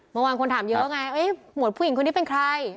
เมื่อวานคนถามเยอะไงหมวดผู้หญิงคนนี้เป็นใคร